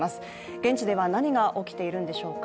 現地では何が起きているんでしょうか。